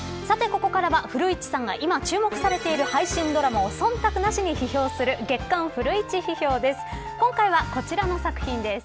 ここからは古市さんが今、注目されている配信ドラマ忖度なしに批評する月刊フルイチ批評です。